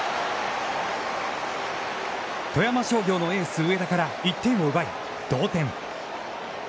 富山商業のエース上田から１点を奪い、同点。